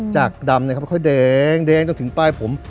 จากดำนะครับค่อยแดงจนถึงป้ายผม